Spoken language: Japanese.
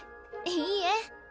いいえ。